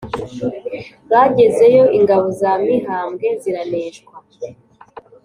bagezeyo ingabo za mihambwe ziraneshwa